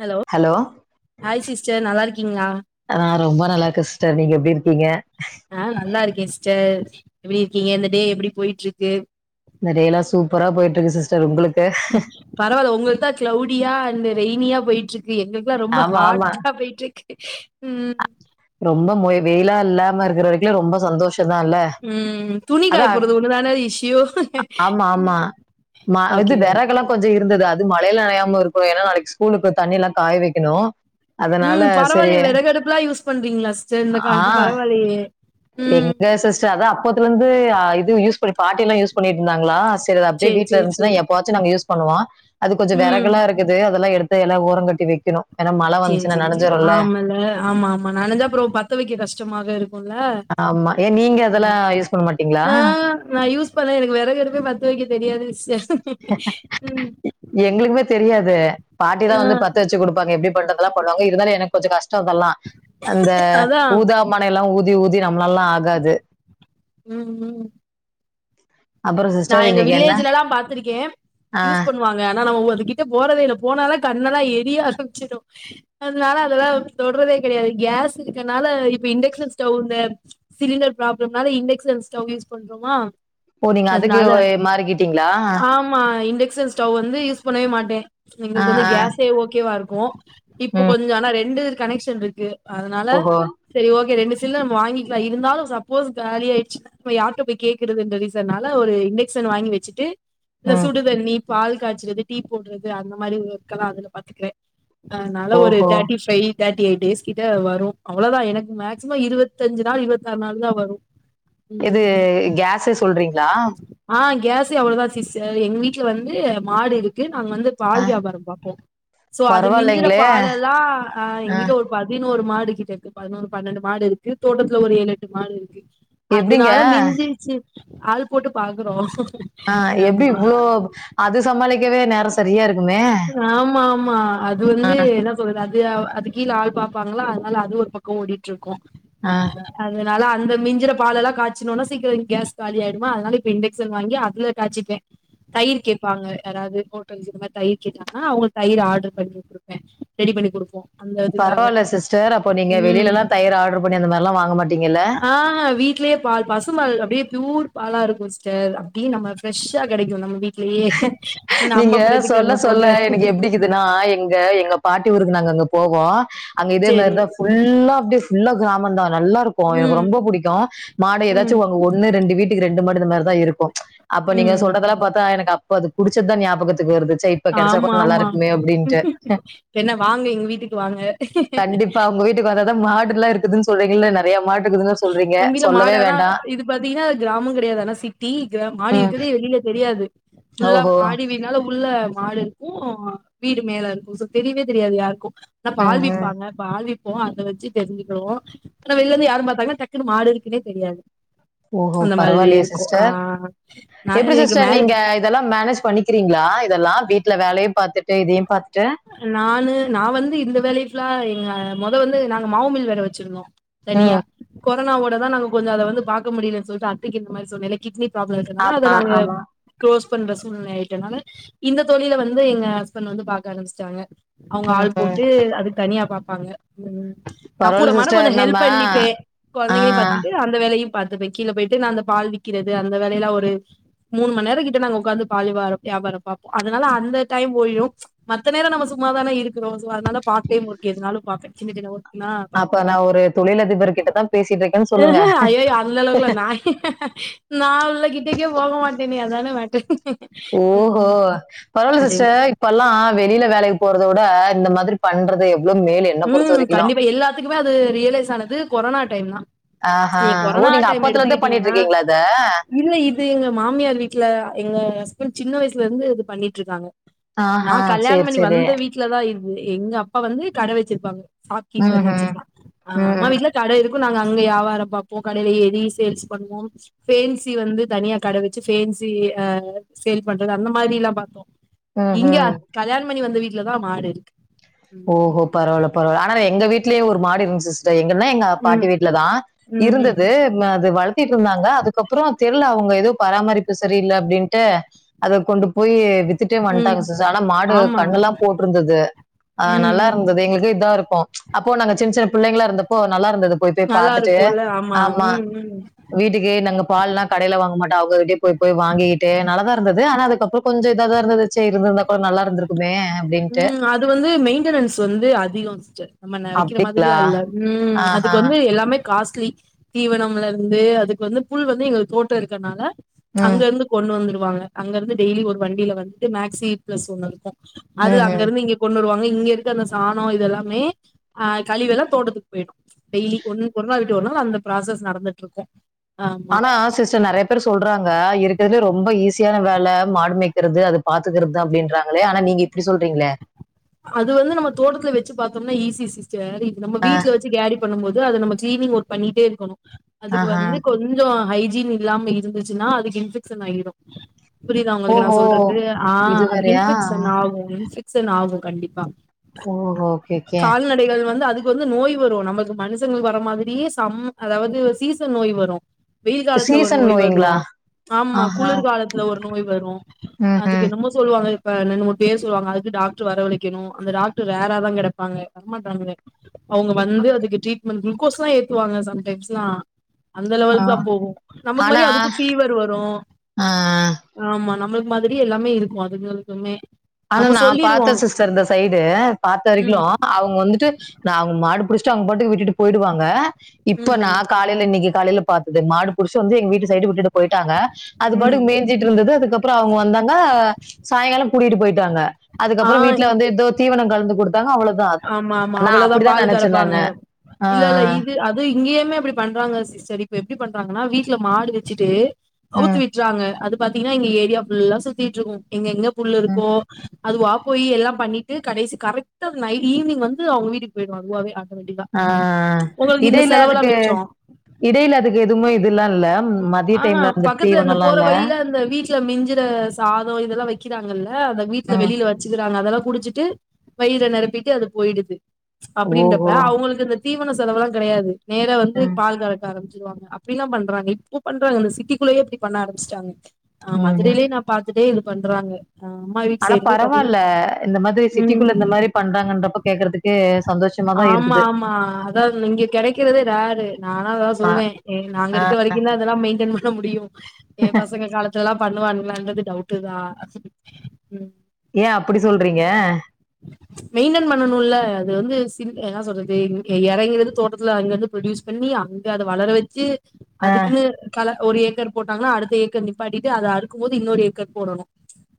Hello, hi sister நல்லா இருக்கீங்ளா நா ரொம்ப நல்லாருக்கே சிஸ்டர், நீங்க எப்டி இருக்கீங்க? ஆ நல்லா இருக்கே சிஸ்டர் எப்டி இருக்கீங்க இந்த டே எப்படி போயிட்டுருக்கு. இந்த டே எல்லா சூப்பரா போயிட்டு இருக்கு சிஸ்டர் உங்களுக் பரவால்ல உங்களுக்குதா கிளவுடியா அண்டு ரெயினியா போயிட்ரு க்கு எங்களுக்ல்லா ரொம்ப ஆமா ஆமா ஹாட்டா போயிட்டுருக்கு. ம் ரொம்ப மொய் வெயிலா இல்லாம இருக்கற வரைக்குலா ரொம்ப சந்தோஷ ம் துணி காய போட்றது ஒன்னுதான இஷியு, ஆமா ஆமா ம், ம இது ஒகே ஒகே வெறகெல்லா கொஞ்சோ இருந்தது அது மழையில நணையாம இருக்கணு ஏன்னா நாளைக்கு ஸ்கூலுக்கு தண்ணி எல்லா காய வைக்கணு அதனால ம் சரி பரவால்லயே வெறகடுப்புலா யூஸ் பண்றீங்ளா சிஸ்டர் இந்த கா ஆ பரவால்லையே. எங்க சிஸ்ட்டு அதா போத்லேந்து அ இது யூஸ் பண்ணி பாட்டிலா யூஸ் பண்ணிட்ருந்தாங்ளா தெர்து அப்டே சேரி வீட்ல சேரி இருன்ச்சுனா சேரி எப்பவாச்சு நாங்க யூஸ் பண்வா அது கொஞ்ச ம் வெறகுல்லாஇருக்குது அதல்லா எடுத் த எல்லா ஒர கட்டி வெக்கணு சேரி சேரி சேரி ஆமல ஆமா ஆமா நனஞ்சா அப்புற பத்த வக்க கஷ்டமாக இருக்கு ல ஆமா. ஏன் நீங்க அதெல்லாம் யூஸ் பண்ண மாட்டீங்களா? அ நா யூஸ் பண்ணே எனக்கு வெறகடுப்பே பத்த வக்க தெரியாது எங்களுக்குமே தெரியாது. பண்றதல்லா பண்ணுவங்க இருந்தாலு எனக் கொஞ்ச கஷ் சோ அதல்லா அந்த அதான். ஊதா மனை எல்லா ஊத் தி ஊதி நம்ளால்லா ஆகாது ம் ம் அப்புறம் நா சிஸ்டர் எங்க இன்னைக்கு என்ன? வில்லேஜ்ஜிலலா பாத்துருக்கே ஆ. யூஸ் பண்ணுவாங்க ஆனா நா உவர் அது கிட்ட போறதே இல்ல போனால கண்ணலா எரிய ஆரமிச்சிரு அதனால அதல்லா தொட்றதே கடையாது கேஸ் இருக்கனால இப்ப இண்டக்ஷன் ஸ்டவ் இந்த சிலிண்டர் ப்ராப்ளம்னால இண்டக்ஷன் ஸ்டவ் யூஸ் பண்றோமா ஓ நீங்க அதுக்கு அதனால மாறிக்கிட்டீங்களா க்ஷன் ஸ்டவ் வந்து யூஸ் பண்ணவே மாட்டேன் ஆ, எங்களுக்கு வந்து ஆ. கேஸே ஓகேவா இருக்கும் இப்போ ம். கொஞ்சோ ஆனா ரெண்டு இரு கனெக்ஷன் இருக்கு அதனால ஓஹோ! செரி ஓகே ரெண்டு தில்ல நம்ம வாங்கிக்கலா இருந்தாலும் சப்போஸ் காலி ஆயிச்சுன வையி யார்ட்ட போய் கேக்குறது அந்த ரீசன் னால ஒரு இண்டெக்ஷன் வாங்கி வச்சுட்டு இந்த ம். சூடு தண்ணி பால் காய்ச்சுறது டீ போடுறது அந்த மாரி ஒர்க் எல்லா அதுல பாத்துக்கிறேன் அதனால ஒரு ஓஹோ! Thirty five thirty eight days கிட்ட வரும் அவ்ளோதான் எனக்கு மேக்சிமம் இருபத்தி அஞ்சு நாள் இருவத்து ஆறு நாள் தான் வரும் இது ம் கேஸ்ச சொல் சொல்றீங்களா கேஸ் எவ்ளோதான் சிஸ்டர் எங்க வீட்ல வந்து மாடு இருக்கு அங்க வந்து ஆ. பால் வியாபாரம் பாப்போம் சோ அது மிஞ்சுற பரவாயில்லைங்களே! பால் எல்லா எங்க ஆ. வீட்ல ஒரு பதினொரு மாடு கிட்ட இருக்கு பதினொரு பன்ரெண்டு மாடு இருக்கு தோட்டத்துல ஒரு ஏழு எட்டு மாடு இருக்கு எப்படிங்க? அதனால மிஞ்சிருச்சு ஆள் போட்டு பாக்குறோம் ஆஹ் எப்டி ஆமா இவ்ளோ அது சமாளிக் கவே நேரம் செரியா இருக் ஆமா ஆமா அது வந்து என்ன சொல்றது அது அது கீழ ஆள் பாப்பாங்களா அதனால அது ஒரு பக்கம் ஓடிட்டு இருக்கும் ஆ. ஆஹ் அது னால அந்த மிஞ்சுற பால் எல்லா காய்ச்சனும்னா சீக்கிரம் இங்க கேஸ் காலி ஆயிடுமா அதனால இப்ப இண்டக்ஷன் வாங்கி அதுல காய்ச்சிட்டேன் தயிர் கேட்பாங்க யாராவது ஹோட்டலுக்கு இந்த மாரி தயிர்லா கேட்டாங்கன்னா அவங்க தயிர் ஆர்டர் பண்ணி குடுப்பேன் ரெடி பண்ணி குடுப்போம் பரவில்ல சிஸ்டர் அப்ப நீங்க வெளியில எல்லா தயிர் ஆர்டர் பண்ணி அந்த மாரிலாம் வாங்க மாட் ஆஹ் வீட்லயே பால் பசும்பால் அப்டியே ப்யூர் பாலா இருக்கும் சிஸ்டர் அப்டியே நம்ம ஃப்ரெஷ்ஷா கிடைக்கும் நம்ம வீட் நீங்க சொல்ல சொல்ல போக எனக்கு எப்பிடிக்குதுன்னா எங்க எங்க பாட்டி ஊருக்கு நாங்க அங்க போவோம் அங்க இதே மாரி சேரி தான் ஃபுல் ஃபுல்லா அப்பிடியே ஃபுல்லா கிராமம் தான் நல்லா இருக்கும் எனக்கு ம் ரொம்ப புடிக்கும் மாடை ம் ஏதாச்சும்ங்க ஒண்ணு ரெண்டு வீட்டு டிகு ரெண்டு மணி இந்த மாரிதா இருக்கூ அப்ப நீங்க ம் சொல்றதெல்லா பாத்தா எனக்கு அப் குடிச்சத்தா ஞாப் பத்துக்கு வருது சஇப்ப கெடைச்சா ஆமா கூட ஆமா நல்லாருக்குமே அப்டின்ட்டு என்ன வாங்க எங்க வீட்டுக்கு வாங்க கண்டிப்பா உங்க வீட்டுக்கு வர தா மாடு எல்லா இருக்குதுன்னு சொல்லீங்கல நறைய மாடு இருக்குதுன்னு சொல்றீங்க. எங்க வீட்ல சொல்லவே மாடு அதா வேண்டாம். இது பாத்தீங்னா கிராமோங்கெடையாது ஆனா சிட்டி க்ரா மாடு ம். இருக்கதே வெளியே தெரியாது ஃபுல்லா ஓஹோ! மாடி வீட்னால உள்ள மாடு இருக்கூ வீடு மேல இருக்கூ சோ தெரியவே தெரியாது யாருக்கூ ந ம்ஹ்ம். பாதிப்பாங்க பாதிப் வோ அத வச்சு தெரிஞ்சுருக்குவோ ஆனா வெளிலருந்து யாரும் பாத்தாங்கனா டக்குனு மாடு இருக்குன்னே தெரியாது ஓஹோ அந்த மாதிரி பரவால்லயே இருக்கு ஆ சிஸ்டர் நா எப்டி எனக்கு சிஸ்டர் மேரே நீங்க இதெல்லா மேனேஜ் பண்ணி க்கிறீங்களா இதெல்லா வீட்ல வேலையூ பாத்துட்டு இதையூ பாத் நானு நா வந்து இந்த வேலைக்லா எங்க மொத வந்து நாங்க மாவுமில் வேற வச்சிருந்தோ தனியா ம் கொ ரோனாவோட தா கொஞ்சோ அத வந்து பாக்க முடியலன் சொல்லிட்டு அத்தக்கு இந்த மாரி சொன்னேல கிட்னி ப்ராப்ளோ இருக்கனால அத ஆமா நாங்க ஆமா க்ளோஸ் பண்ற சூழ்நெல ஆய்ட்டனால இந்த தொழில வந்து எங்க ஹஸ்பண்ட் வந்து பாக்க ஆரம்பிச் சாங்க அவுங்க ம் ஆள் ம். போட்டு அதுக்கு தனியா பா பாங்க ம் நா பரவாயில்ல கூடமாட சிஸ்டர் கொஞ்சோ நம்ம ஹெல்ப் பண்ணிப்பே ஆ கொழந்தைங்களையூ பாத்துக்கிட்டு அந்த வேலையூ பாத்துப்பே கீழ போயிட்டு நா அந்த பால் விக்கிறது அந்த வேலையில ஒரு மூணு மண் நேரோ கிட்ட நாங்க ஒக்காந்து பால் வாரோ வ்யாபாரோ பாப்போ அத்னால அந்த டைம் ஒடிடூ மத் த்த நேரோ நம்ம சும்மாதான இருக்கோ சோ அத்னால [unintelligible] எதனாலூ பாக்கே சின்ன சின்ன வர்க் அப்ப நா ஒரு தொழிலதிபர் கிட்டதா பேசிட்ருக்கேன் சொல்லுங்க ஆஹா ஐயயோ அந்த ல கிட்டக்கே போக மாட்டேனே அதானே மேட்டர் ஓஹோ ம் பரவாயில்ல அது சிஸ்டர் இப்பெல்லாம் வெளியில வேலைக்கு போறத வுட இந்த மாத்ரி பண்றதேப் ம் கண்டிப்பா எல்லாத்துக்குமே அது ரியலைஸ் ஆனது கொரோனாட் டைம்னா ஆஹா நீங்க ஓ கொரோனா நீங்க டைம் அப்பத்துல இருந்தே பண்ணிட்டு எடுத்துக்கிட்டீங்கன்னா இருக்கீங்களா அத இல்ல இது எங்க மாமியார் வீட்ல எங்க சின் சின்ன வயசுலேந்து இது பண்ணிட்ருக்காங்க நா ஆஹா கல்யாண சரி பண்ணி சரி வந்த வீட்லதா இ இ எங்க அப்பா வந்து கட வெச்சிருப்பாங்க ஷாப் ம் கீப்பர்னு வெச்சிக்லா ஆ அம்மா ம் வீட்ல கட இரு க்கு நாங்க அங்க யாவாரோ பாப்போ கடேல ஏறி சேல்ஸ் பண்ணுவோ ஃபேன்ஸி வந்து தனியா கட வெச்சு ஃபேன்ஸி ஆ சேல் பண்றது அந்த மாரிலா பாத்தோ ம் இங்க ம் கல்யாணம் பண்ணி வந்த வீட் லதா மாடிருக் ஓ ஹோ பரவால பரவால ஆனா எங்க வீட்லயு ஒரு மாடு இருந்ச்சு சிஸ்டர் இன்னுமே எங்க பாட்டி ம். வீட்லதா ம். ம். இருந்துது அது வள திட்ருந்தாங்க அதுக்கப்றோ தெர்ல அவுங்க எதோ பராமரிப்பு சரி இல்ல அப்டின்ட்டு அத கொண்டு போயி வித் திட்டே ம். வன்ட்டாங்க சிஸ்டர் ஆனா மாடு ஆமா. கன்னலா போட்ருந்துது அ ம் ம் நல்லாருந்துது எங்ளுக்கே இதா இருக்கு அப்போ நாங்க சின் சின புள்ளைங்ளா இருந்தப்போ நல்லாருந்துது போய் போய் நல்லா பாத்துட்டு இருக்குல்ல ஆமா ம் ம் வீட்டுக்கு நாங்க பால்லா கடைல வாங்க மாட் அவுங்க கிட்டியே போய் போய் வாங்கிகிட்டு நல்லாதா இருந்துது ஆனா அதுக்கப்புற கொஞ்சோ இதாதா இருந்துது சேர் இருந்திருந்தா கூட நல்லா இருந்துருக்குமே அப்டின்ட்டு ம் அது வந்து மெயின்டனன்ஸ் வந்து அதிகோ சிஸ்டர் நம்ம நனைக்கிற அப்டிங்களா? மாதிரிலா இல்ல ம் ஆஹா. அதுக்கு வந்து எல்லாமே மே காஸ்ட்லி தீவனம்ல இருந்து அதுக்கு வந்து புல் வந்து எங்க தோட்டோ இருக்கறனால ம். அங்க இருந்து கொண்டு வந்துரு வாங்க அங்க இருந்து டெய்லி ஒரு வண்டில வந்துட்டு மேக்ஸி பிளஸ் ஒண்ணு இருக்கு அது அங்க ம்ஹ்ம். இருந்து இங்கே கொண்டருவாங்க இங்க இருக்க அந்த சாணோ இதெல்லாமே அ கழிவெல்லா தோட்டத்துக்கு பேய்டு டெய்லி ஒன் ஒரு நாள் விட்டு ஒரு நாள் அந்த ப்ராசஸ் நடந்துட்ருக்கு ஆனா சிஸ்டர் நெறைய பேர் சொல்றாங்க இருக்கறதுலே ரொம்ப ஈஸியான வே ல மாடுமேய்க்கிறது அது பாத்துக்கிறதா அப்டின்றாங்களே ஆனா நீங்க இப்டி சொல்றீங்ளே அது வந்து நம்ம தோட்டத்துல வெச்சு பாத்தோம்னா ஈசி சிஸ் டர் இது நம்ம வீட்ல வச்சு கேரி ங் பண்ணும்போது அத நம்ம கீளினிங் ஒர்க் பண்ணிட்டே இருக்கணு அதுக்கு ஆஹா. வந்து கொஞ்சோ ஹைஜீன் இல்லாம இருந்துச்சுனா அதுக்கு இன்ஃபெக்ஷன் ஆயிடு புரிதா உங்களுக்கு நா ஓஹோ! சொல்றது ஆ இது அதுக்கு வேறையா? இன்ஃபெக்ஷன் ஆகு இன்ஃபெக் ஷன் ஆகு கண்டிப்பா ஓஹோ! Okay, okay. கால்நடைகள் வந்து அதுக் து நோய் வரு நமக்கு மனுஷங்களுக்கு வர மாதிரியே சம் அதாவது சீசன் நோய் வரு வெயில் காலத்துல ஒரு சீசன் நோய் வந்ரு நோய்ங்களா? ஆமா ஆஹா. குளிர் காலத்துல ஒரு நோய் வரு அதுக்கு ம்ஹ்ம். என்னமோ சொல்லுவாங்க அ ரெண்டு மூனு பேர் சொல்வாங்க அதுக்கு டாக்ட்ரு வரவரைக்கு க்கணு அந்த டாக்ட்ரு ரேரா தா கெடைப்பாங்க வரமாட்டாங்க அவங்க வந்து அதுக்கு ட்ரீட் குல்கோஸ்லா ஏத்துவாங்க சம் டைம்ஸ்லா அந்த ஆ. லெவல் தா போகும் நமக்கு ஆனா, மாரி அதுக்கு ஃபீவர் வரு ஆ. ஆமா நம்ளுக் மாதிரியே எல்லாமே இருக்கு அதுங்களுக்குமே ஆனா நம்ம நா பாத்தே சொல்லிருவோம் சிஸ்டர் இந்த சைடு பாத்த வரைக்கு ம் அவுங்க வந்துட்டு நா அவங்க மாடுபுடிச்ட்டு அவுங்க பாட்டுக்கு விட்டுட்டு போயிடுவாங்க இப்ப நா ம் காலைல இன்னிக்கு காலைல பாத்தது மாடு புடுச்சு வந்து எங்க வீட்டு சைடு விட்டுட்டு போயிட்டாங்க அது ம் பாட்டுக்கு மேஞ்சிட்ருந்துது அதுக்கப்ற அவுங்க வந்தாங்க சாயங்கால கூட்டிட்டு போயிட் டாங்க அதுக்கப்ற ஆஹ் வீட்ல வந்து எதோ தீவன கலந்து குடுத் தாங்க அவ்ளோதா ஆமா ஆமா நா அவ்வளவுதா அப்டிதா பால் நெனச்சே நானு ஆ ஆ இங்கயுமே அப்டி பண்றாங்க சிஸ்டர் இப்ப எப்டி பண்றாங்கனா வீட்ல மாடு வச்சுட்டு அவுத்து உம் விட்றாங்க அது பாத்தீங்னா எங்க ஏரியா ஃபுல்லா சுத்திட்ருக்கு எங்க எங்க உம் புல்லுருக்கோ அதுவா போய் எல்லா பண்ணிட்டு கடைசி கரெக்ட்டா நை ஈவினிங் வந்து அவுங் வீட்க்கு போயிடு அதுவாவே கா ஆ ஆ இடைல அதுக்கு மிச்சோ இடைல அதுக்கு இதுமே இதுலா இல்ல மதிய டைம்ல அந்த தீவணலலா இல்ல ல மிஞ்சுற சாதொ இதெல்லா வெக்கிறாங்கல்ல அத வீட்ல உம் வெளில வச்சுக்கிறாங்க அதெல்லா குடிச்சிட்டு வயிற நெரப்பிட்டு அது போயிடுது அப்டின்றப்ப ஓஹோ அவங்களுக்கு இந்த தீவன செலவலா கெடையாது நேர வந்து உம் பால் கரக்க ஆரம்பிச்சு சொல்வாங்க அப்டிலான் பண்றாங்க இப்ப பண்றாங்க இந்த சிட்டிக்குள்ளயே இப்டி பண்ண ஆரம்பிச்சிட்டாங்க ஆ உம் மதுரையிலு நா பாத்துட்டே இ பண்றாங்க அ அம்மா வீட்டு ஆனா சைடுமே பாத்திங்னா பரவால்ல. இந்த மாதிரி ம் சிட்டிக்குள்ள இந்த மாரி பண்றாங்கன்றப்ப கேக்குறதுக்கு சந்தோஷமா தான் ஆமா இருக்குது. ஆமா அதாது இங்க கெடைக்கிறதே ரெரு நானா அதலா ஆ, சொல்வே நாங்க ஆ. இருக்க வரைக்குந்தா லா மெயின்டன் பண்ண முடியு எம் பசங்க காலத்துல்லா பண்ணுவானுகளான்றது டவுட்டுதா ம் ஏ அப்படி சொல்றிங்க மெயின்டென் பண்ணனுல்ல அது வந்து சி என்னா சொல்றது எ எறங்கி வந்து தோட்டத்துல அங்கர்ந்து ப்ரொடியூஸ் பண்ணி அங்க அத வளர வெச்சு ஆ. அதுக்குனு அத ஒரு ஏக்கர் போட்டாங்னா அடுத்த ஏக்கர் நிப்பாட்டிட்டு அத அறுக்கும்போது இன்னொரு ஏக்கர் போடணு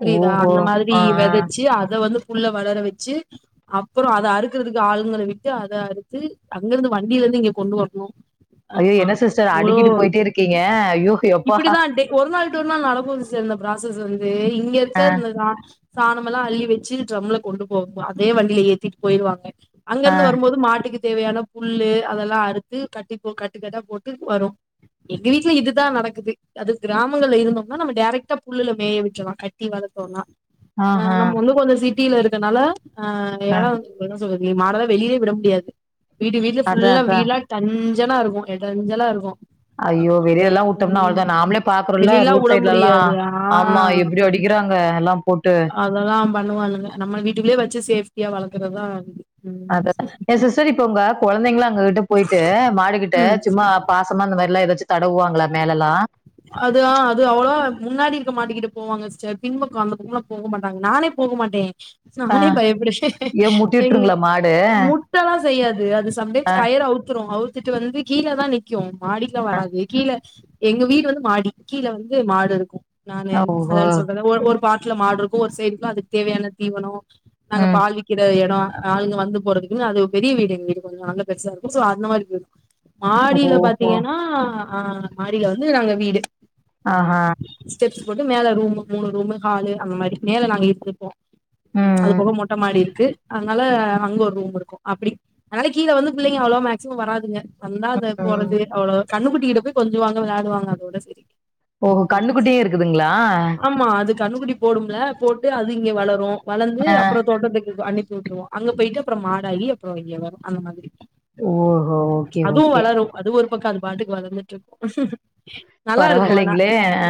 புரியுதா ஓஹோ! அந்த மாதிரி ஆ, ஆ. வெதைச்சு அத வந்து உள்ள வளர வெச்சு அப்பற அத அறுக்குறதுக்கு ஆளுங்கள விட்டு அத அறுத்து அங்க இருந்து வண்டியில இருந்து இங்க கொண்டு வரணு ஐயோ என்ன சிஸ்டர் அடுக்கிட்டு போயிட்டே இருக் இப்புடிதா ஒரு நாள் விட்டு ஒரு நாள் நடக்கு சிஸ்டர் இந்த ப்ராஸஸ் இங்க இருக்கதுதா சாணமல்லா அள்ளி வச்சு ட்ரம்ள கொண்டு போகு அதே வண்டில ஏத்திட் போயிருவாங்க ஆ, அங்கருந்து வரும்போது மாட்டிக்கி தேவயான புல்லு அதல்லா அறுத்து கட்டி கட்டுக்கட்டா போட்டு வரு எங்கு வீட்ல இது தா நடக்குது அது கிராமங்கள்ல இருந்தம்னா நம்ம டைரெக்ட்டா புல்லுல மேய விட்ருவ கட்டி வளத்தோன்னா அ ஆஹா. நம்ம ஒன்னு கொஞ்ச சீ டில இருக்கனால அ ஆ. எழ வந்து போது மாடலா வெளியவே விட முடியாது வீடு வீடுல அதான், ஃபுல்லா அதான். வீலா தண் ஞ்சனா இருக்கு எடஞ்சல இருக்கு ஐயோ ஆமா வெளியலா உட்டம்னா ம் அவ்ளோதா நாம்ளே பாக்குருல வெளிலலா ரூட் உட சைட்லலா முடியாது ஆ ஆமா எப்டி அடிக்கிறாங்க எல்லா போட்டு அதெல்லா பண்ணுவானுங்க நம்ம வீட்டுக்குள்ளே வச்சு சேஃப்டியா வளக்குறதா அத எ சிஸ்டர் இப்ப உங்க கொழந்தைங்கலா அங்க கிட் ட போயிட்டு மாடுக்கிட்ட ம் சும்மா பாசமா இந்த மேரில்லா ஏதாச்சு தடவுவாங்களா மேலல்லா அது ஆ அது அவ்ளோவா முன்னாடி இருக்க மாடுக்கிட்ட போவாங்க சிஸ்டர் பின்பக்கோ அந்த பக்கோலா போக மாட்டாங்க நானே போக மாட்டே ஆ. நானே பயப்படுவே ஏன் முட்டி எங் விட்டுருங்களா மாடு? முட்ட எல்லா செய்யாது அது சம்டைம்ஸ் கயிற அவுத்துரு அவு த்துட்டு வந்து கீழ தா நிக்கு மாடிக்குலா வராது கீழ எங்க வீடு வந் மாடி கீழ வந்து மாடு இருக்கு நானு ஓஹோ! அதால சொல்றேன்ல ஒரு ஒரு பாட்டுல மாடுருக்கு ஒரு சைடு ஃபுல்லா அதுக்கு தேவையான தீவனோ நாங்க ம். பால் விக்கிற எடோ ஆளுங்க வந்து போறதுக்குன்னு அது பெரிய வீடு எங்க வீடு கொஞ்சோ நல்லா பெருசா இருக்கு சோ அந்த மாரி இருக்கு மாடில ஓஹோ! பாத்தீங்கன்னா ஆ மாடில வந்து நாங்க வீடு ம் ஆஹா! ஸ்டெப்ஸ் போட்டு மேல ரூமு மூணு ரூமு ஹாலு அந்த மாரி மேல நாங்க எடுத்துருப்போ அது ம், போக மொட்ட மாடி இரு அதனால அங்க ஒரு ரூம் இருக்கு அப்டி அதனால கீழே வந்து பிள்ளைங்க அவ்ளோ மேக்சிமம் வராதுங்க வந்தா அத ம். போறது அவ்ளோ கண்ணுகுட்டிக்கிட்ட இருக் கொஞ்சுவாங்க விளையாடுவாங்க அதோட சே ஓ கன்னுக்குட்டியே இருக்குதுங்களா கன்னுக்குட்டி போடும்ல போட்டு அது இங்க வளரு வளந்து ஆ. அப்றோ தோட்டத்துக்கு அனுப் வுட்டுருவோ அங்க போயிட்டு அப்றோ மாடகி அப்றோ வெளிய வரும் அந்த மாதிரி ஓஹோ ஓகே அதுவு ஓகே வளரு அது ஒரு பக்கோ அது பாட்டுக்கு வளந்துட்டு இருக்கு நல்லா இருக்கு ஆனா பரவாயில்லைங்களே ஆ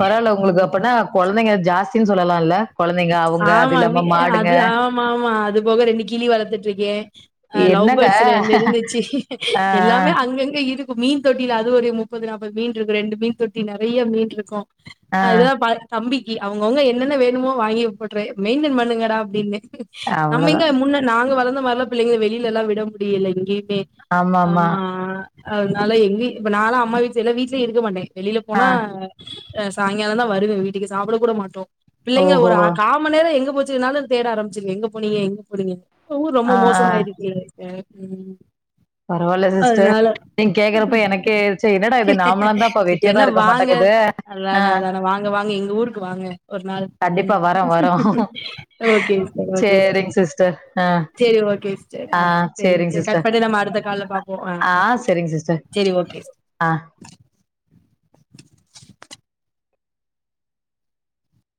பரவால்ல உங்களுக்கு ம் அப்பன்னா கொழந்தைங்க ஜாஸ் தின் சொல்லலா இல்ல ஆமா வி அது ஆமா ஆமா அது போக ரெண்டு கிளி வளத்துட்டு இருக்கே ஆ என்னங்க? லவ்பேட்ஸ் ரெண்டு இருந்துச்சி ஆ, எல்லாமே அங்கங்க இருக் மீன் தொட்டில அது ஒரு முப்பது நாப்பது மீன் இருக்கு ரெண்டு மீன் தொட்டி நெறய மீன் இருக்கு ஆ, ஆ. அதா பார் தம்பி அவங்கவுங்க என்னென்ன வேணுமோ வாங்கி போட்டுறே மெயின்டன் பண்ணுங்கட அப்டின்னு நம்ம இங்க அவ்வளோதான். முன்ன நாங்க வளந் அந்த மாரிலா பிள்ளைங்கள வெளிலல்லா விட முடில இங்கயு ஏ ஆமாமா. ஆமா அதனால எங்கயு இப்ப நாலா அம்மா வீட்டுலல்லா வீட்டுலயே இருக்க மாட்டே வெளில ஆ. போனா ம், சாய்ங்காலந்தா வருவே வீட்டுக்கு சாப்ட கூட மாட்டோ, ஏங்க ஓஹோ! ஒரு அ கா மண்நேர எங்க போச் சினாலு தேட ஆரம்பிச்சிருங்க எங்க போனீங்க எங்க போனீங்க இப்பவு ரொம்ப ஆ, ஆ. மோசமாயிருக்கே சிஸ்டர் ம் பரவால்ல சிஸ்டர். அதனால நீங்க கேட்கறப்ப எனக்கே ச்சே என்னடா இது நாமலாம் தான்ப்பா இப்ப வெட்டியா என்ன தான் இருக்க வாங்க மாட்டேங்குது. ஆ. அதான அதான வாங்க வாங்க எங்க ஊருக்கு வாங்க ஒரு நாள் கண்டிப்பா வரேன், வரோம். ஓகே சிஸ்டர் ஓகே சிஸ்டர் சேரிங் ஆ சேரி ஓகே சிஸ்டர் ஆ சேரிங் சேரிங்க கட் சிஸ்டர் பண்ணிட்லாமா கால்ல பாப்போ, அ ஆ சேரிங் சிஸ்டர் சேரி ஓகே ஆ